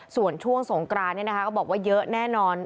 ส่วนช่วงสงกรานเนี่ยนะคะก็บอกว่าเยอะแน่นอน